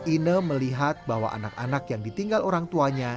ine melihat bahwa anak anak yang ditinggal orang tuanya